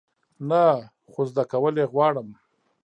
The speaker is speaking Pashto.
نه، خو زده کول یی غواړم